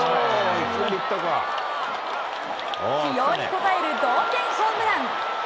起用に応える同点ホームラン。